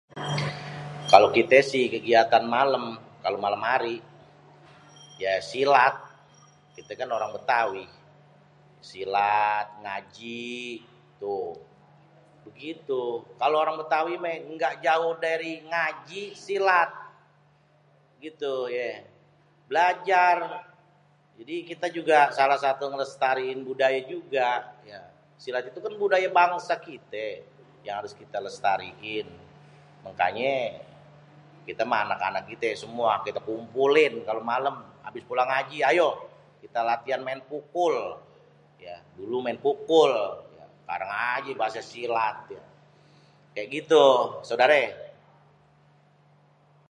kalo kité sih kégiatan malém.. kalo malém hari ya silat.. kita kan orang bétawi.. silat, ngaji, tuh begitu.. kalo orang bétawi mah ngga jauh dari ngaji silat.. udéh tuh yé blajar.. jadi kita juga salah satu ngéléstariin budaya juga ya.. silat itu kan budaya bangsa kité yang harus kité léstariin.. mangkanyé kité anak-anak kité semua kita kumpulin kalo malém.. abis pulang ngaji ayo kita latian maén pukul ya.. dulu maén pukul.. sekarang aja bahasa silat.. kayak gitu sodaré..